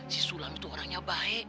si sulam itu orangnya baik